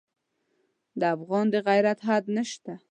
د افغان د غیرت حد نه شته.